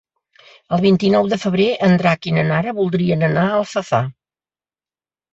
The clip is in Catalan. El vint-i-nou de febrer en Drac i na Nara voldrien anar a Alfafar.